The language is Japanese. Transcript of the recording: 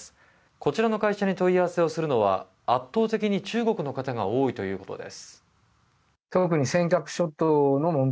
こちらの会社に問い合わせするのは圧倒的に中国の方が多いということです。